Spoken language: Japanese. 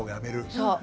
そう。